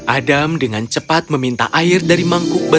adam dengan cepat meminta air dari mangkuk